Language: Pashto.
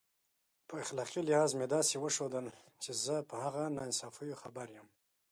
په اخلاقي لحاظ مې داسې وښودل چې زه په هغه ناانصافیو خبر یم.